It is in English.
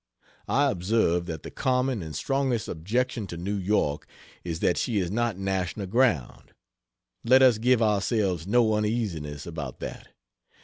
I observe that the common and strongest objection to New York is that she is not "national ground." Let us give ourselves no uneasiness about that.